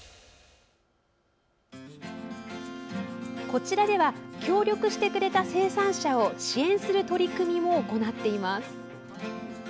こちらでは、協力してくれた生産者を支援する取り組みを行っています。